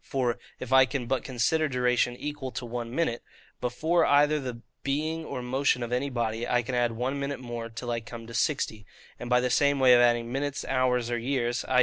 For, if I can but consider duration equal to one minute, before either the being or motion of any body, I can add one minute more till I come to sixty; and by the same way of adding minutes, hours, or years (i.